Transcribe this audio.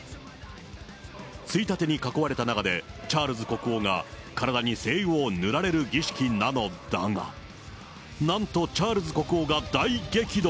ついたてに囲われた中で、チャールズ国王が体に精油を塗られる儀式なのだが、なんとチャールズ国王が大激怒。